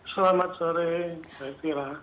selamat sore saya fira